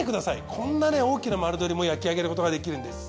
こんなね大きな丸鶏も焼き上げることができるんです。